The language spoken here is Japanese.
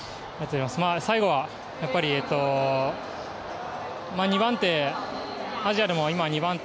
最後はやっぱり２番手、アジアでも今２番手